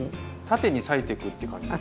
縦に裂いていくって感じですか？